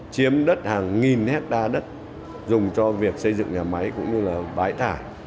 chiếm đất hàng nghìn hectare đất dùng cho việc xây dựng nhà máy cũng như là bãi thải